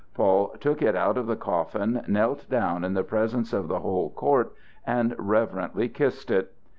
Paul took it out of the coffin, knelt down in the presence of the whole court and reverently kissed it.